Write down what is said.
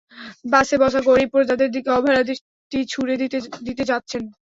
বাসে বসা গরিব প্রজাদের দিকে অবহেলার দৃষ্টি ছুড়ে দিতে দিতে যাচ্ছেন।